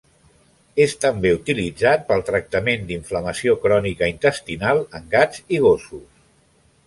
És també utilitzat pel tractament d'inflamació crònica intestinal en gats i gossos.